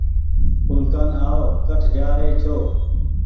اُولڪآن آئو ڪٺ جآ رهي ڇو